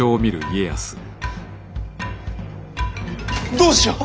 どうしよう！